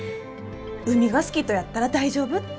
「海が好きとやったら大丈夫」って。